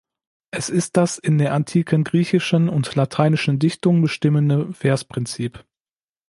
Es ist das in der antiken griechischen und lateinischen Dichtung bestimmende Versprinzip.